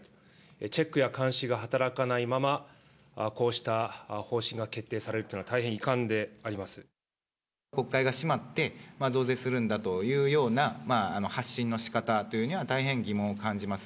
チェックや監視が働かないまま、こうした方針が決定されるというのは、国会が閉まって、増税するんだというような、発信のしかたというには、大変疑問を感じます。